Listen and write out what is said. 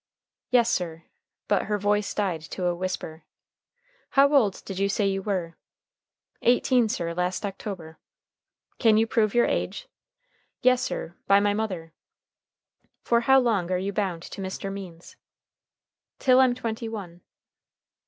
"Yes, sir," but her voice died to a whisper. "How old did you say you were? "Eighteen, sir, last October." "Can you prove your age?" "Yes, sir by my mother." "For how long are you bound to Mr. Means?" "Till I'm twenty one."